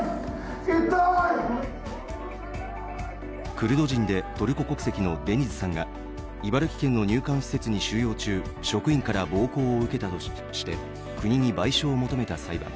クルド人でトルコ国籍のデニズさんが茨城県の入管施設に収容中職員から暴行を受けたとして国に賠償を求めた裁判。